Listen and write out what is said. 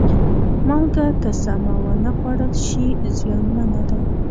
مالګه که سمه ونه خوړل شي، زیانمنه ده.